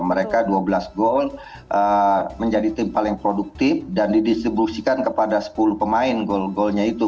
mereka dua belas gol menjadi tim paling produktif dan didistribusikan kepada sepuluh pemain gol golnya itu